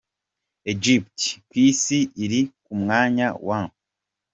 Egypte : ku isi iri ku mwanya wa .